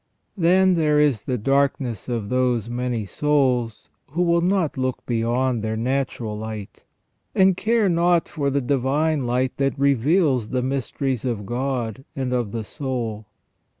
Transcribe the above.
Then there is the darkness of those many souls who will not look beyond their natural light, and care not for the divine light that reveals the mysteries of God and of the soul.